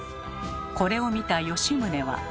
これを見た吉宗は。